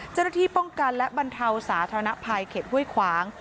เจ้าหน้าที่ป้องกันและบรรเทาสาธารณภัยเขตห้วยขวาง